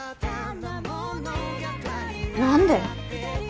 何で？